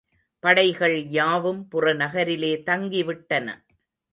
படைகள் யாவும் புறநகரிலே தங்கி விட்டன.